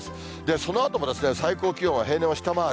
そのあとも最高気温は平年を下回る。